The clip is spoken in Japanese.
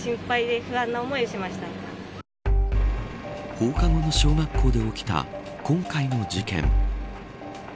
放課後の小学校で起きた今回の事件。